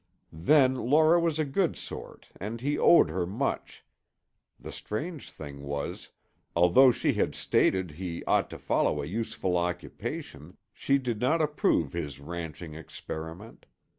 Then Laura was a good sort and he owed her much; the strange thing was, although she had stated he ought to follow a useful occupation, she did not approve his ranching experiment.